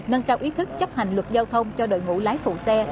nâng cao ý thức chấp hành luật giao thông cho đội ngũ lái phụ xe